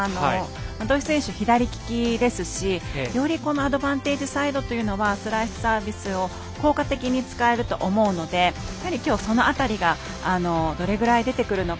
土居選手は左利きですし、よりアドバンテージサイドというのはスライスサービスも効果的に使えると思うのできょう、その辺りがどれぐらい出てくるのか。